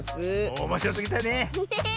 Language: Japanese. おもしろすぎたね！ね！